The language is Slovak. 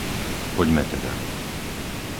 Poďme teda.